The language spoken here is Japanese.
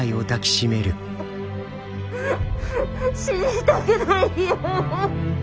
死にたくないよ！